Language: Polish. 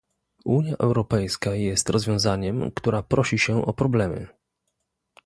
Unia Europejska jest rozwiązaniem, która prosi się o problemy